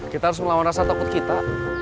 kita harus melawan rasa takut kita